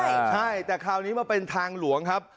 ใช่แต่คราวนี้มาเป็นทางหลวงครับ